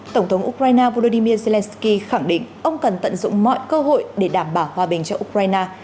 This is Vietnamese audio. tổng thống ukraine volodymyr zelensky khẳng định ông cần tận dụng mọi cơ hội để đảm bảo hòa bình cho ukraine